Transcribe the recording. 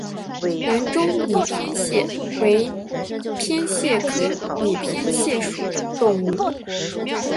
南沙拟扁蟹为扁蟹科拟扁蟹属的动物。